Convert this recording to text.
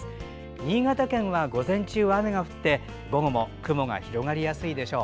新潟県は午前中は雨が降って午後も雲が広がりやすいでしょう。